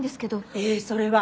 えぇそれは。